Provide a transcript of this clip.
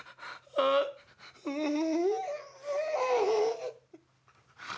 あっうん。